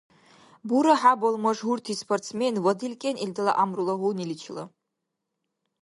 Бура хӀябал машгьурти спортсмен ва делкӀен илдала гӀямрула гьуниличила